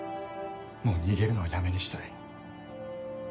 もう逃げるのはやめにしたい。